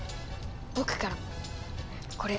僕からもこれ。